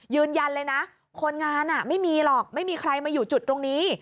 ยืนยันเลยนะคนงานไม่มีหรอกไม่มีใครมาอยู่จุดตรงนี้